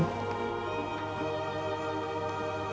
gak gitu lah